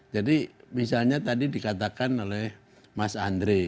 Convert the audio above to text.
jadi misalnya tadi dikatakan oleh mas andre